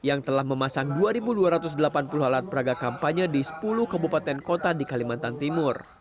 seribu dua ratus delapan puluh alat peraga kampanye di sepuluh kebupaten kota di kalimantan timur